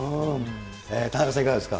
田中さん、いかがですか。